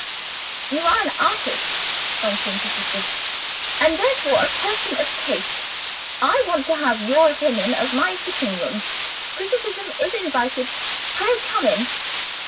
"You are an artist," Francine proceeded, "and therefore a person of taste. I want to have your opinion of my sitting room. Criticism is invited; pray come in."